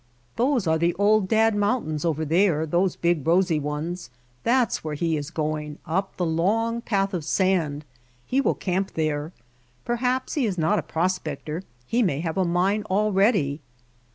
"Those are the Old Dad Mountains over there, those big rosy ones. That's where he is going, up the long path of sand. He will camp there. Perhaps he is not a prospector, he may have a mine already."